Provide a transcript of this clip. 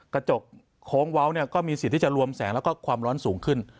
กระจกโค้งเว้าเนี่ยก็มีสิทธิ์ที่จะรวมแสงแล้วก็ความร้อนสูงขึ้น